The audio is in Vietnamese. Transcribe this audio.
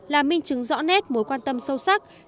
là minh chứng rõ nét mối quan tâm sâu sắc